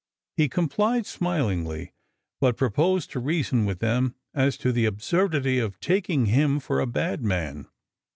He complied smilingly, but proposed to reason with them as to the absurdity of taking him for a bad man.